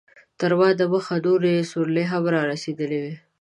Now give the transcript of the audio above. تر ما دمخه نورې سورلۍ هم رارسېدلې وې.